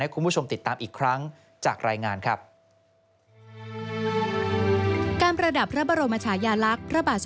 คุณผู้ชมติดตามอีกครั้งจากรายงานครับ